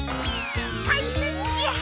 たいへんじゃ。